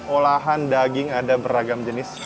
olahan daging ada beragam jenis